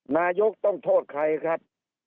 นายกต้องโทษใครครับ